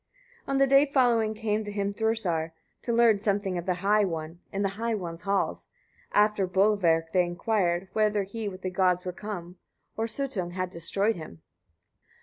110. On the day following came the Hrimthursar, to learn something of the High One, in the High One's hall: after Bolverk they inquired, whether he with the gods were come, or Suttung had destroyed him?